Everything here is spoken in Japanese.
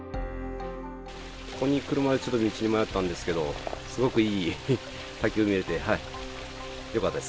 ここに来るまで、ちょっと道に迷ったんですけど、すごくいい滝が見れて、よかったです。